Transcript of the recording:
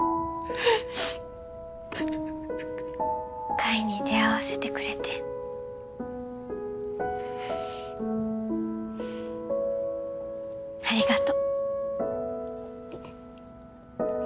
海に出会わせてくれてありがと